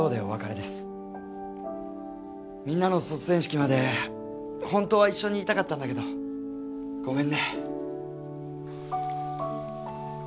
みんなの卒園式までホントは一緒にいたかったんだけどごめんね。